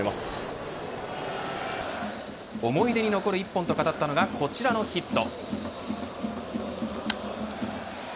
思い出に残る一本と語ったのがこちらのヒット。